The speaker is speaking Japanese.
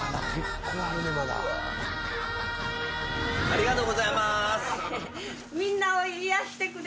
ありがとうございます。